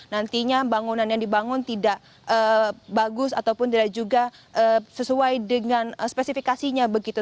nantinya bangunan yang dibangun tidak bagus ataupun tidak juga sesuai dengan spesifikasinya begitu